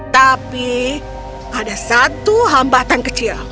tapi ada satu hambatan kecil